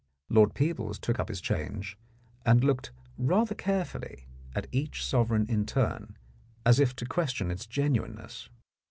Lord Peebles took up his change and looked rather carefully at each sovereign in turn, as if to question its genuineness.